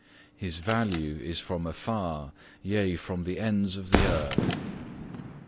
"His value is from afar, yea from the ends of the earth."